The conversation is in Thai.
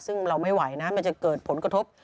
ซึ่งเราไม่ไหวนะมันจะเกิดผลกระทบ